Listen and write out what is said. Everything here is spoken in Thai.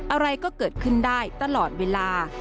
อะไรก็เกิดขึ้นได้ตลอดเวลา